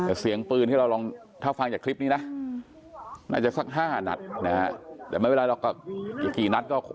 แต่เสียงปืนถ้าฟังจากคลิปนี้นะน่าจะสัก๕นัทแต่ไม่เป็นไรเราก็